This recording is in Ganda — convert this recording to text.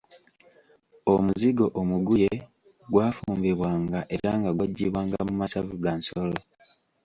Omuzigo omuguye gwafumbibwanga era nga gwaggyibwanga mu masavu ga nsolo.